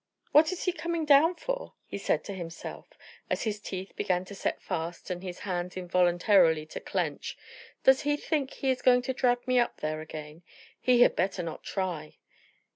"What is he coming down for?" he said to himself, as his teeth began to set fast and his hands involuntarily to clench. "Does he think he is going to drag me up there again? He had better not try."